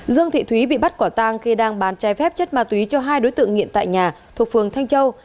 dương thị thúy bị bắt quả tang khi đang bán trái phép chất ma túy cho hai đối tượng nghiện tại nhà thuộc phường thanh châu